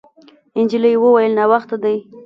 نجلۍ وویل: «ناوخته دی.»